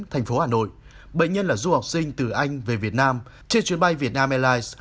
thành phố hà nội bệnh nhân là du học sinh từ anh về việt nam trên chuyến bay việt nam airlines